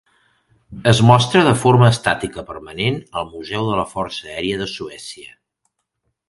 Es mostra de forma estàtica permanent al Museu de la Força Aèria de Suècia.